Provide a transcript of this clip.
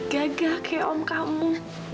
gagah kayak om kamu